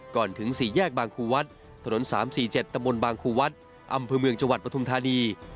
ก่อนถึงสี่แยกบางคู่วัดถนน๓๔๗ตะมนต์บางคู่วัดอำเภอเมืองจวัดปฐุมธานี